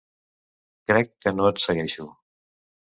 Crec que no et segueixo.